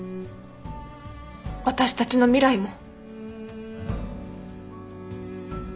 私たちの未来も。